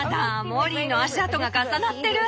モリーの足跡が重なってる。